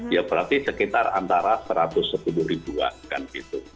ya berarti sekitar antara satu ratus sepuluh ribuan kan gitu